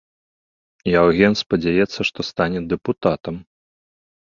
Яўген спадзяецца, што стане дэпутатам.